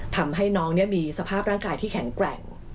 ทำให้น้องมีสภาพร่างกายที่แข็งแกร่ง